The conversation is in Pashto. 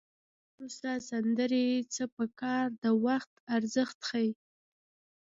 له واده نه وروسته سندرې څه په کار د وخت ارزښت ښيي